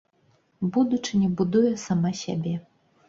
Будучыня будуе сама сябе.